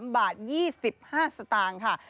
๓บาท๒๕สตางค์ค่ะ